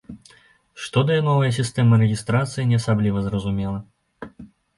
Што дае новая сістэма рэгістрацыі, не асабліва зразумела.